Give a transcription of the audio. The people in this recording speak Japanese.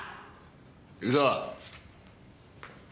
行くぞ。